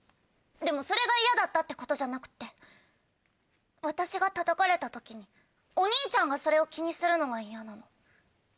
でもそれが嫌だったってことじゃなくって私がたたかれた時にお兄ちゃんがそれを気にするのが嫌なの。